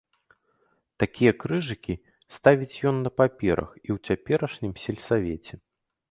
Такія крыжыкі ставіць ён на паперах і ў цяперашнім сельсавеце.